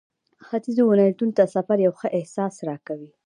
ختيځو ولایتونو ته سفر یو ښه احساس راکوي.